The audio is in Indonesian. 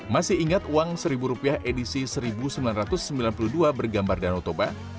masih ingat uang seribu rupiah edisi seribu sembilan ratus sembilan puluh dua bergambar danau toba